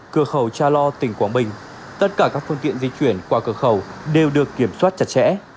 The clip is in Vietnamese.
cửa khẩu cha lo tỉnh quảng bình tất cả các phương tiện di chuyển qua cửa khẩu đều được kiểm soát chặt chẽ